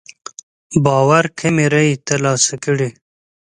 باور کمې رايې تر لاسه کړې.